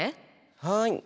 はい。